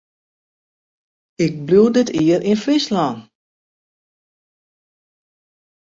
Ik bliuw dit jier yn Fryslân.